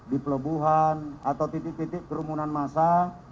di pelabuhan atau titik titik kerumunan masa